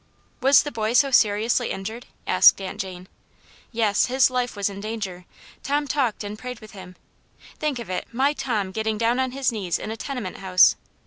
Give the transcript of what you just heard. " Was the boy so seriously injured ?" asked Aunt Jane. "Yes, his life was in danger. Tom talked and prayed with him — think of it, my Tom getting down on his knees in a tenement house!